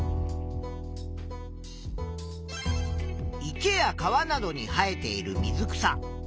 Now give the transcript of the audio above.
池や川などに生えている水草。